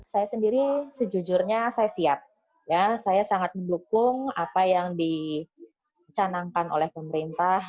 saya sendiri sejujurnya saya siap saya sangat mendukung apa yang dicanangkan oleh pemerintah